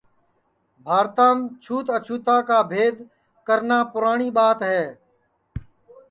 بھارتام چھوت اچھوتا کا بھید کرنا پُراٹؔی ٻات ہے